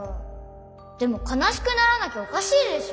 でもかなしくならなきゃおかしいでしょ。